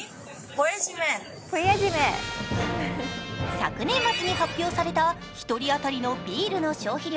昨年末に発表された１人当たりのビールの消費量